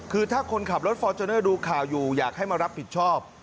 คือถ้าคนขับรถฟอร์จูเนอร์ดูข่าวอยู่อยากให้มารับผิดชอบ